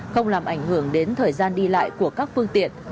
không làm ảnh hưởng đến thời gian đi lại của các phương tiện